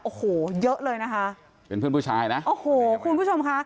โอ้โหเยอะเลยนะคะเป็นเพื่อนผู้ชายนะโอ้โหคุณผู้ชมค่ะ